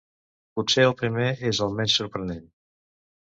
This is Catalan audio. Potser el primer és el menys sorprenent.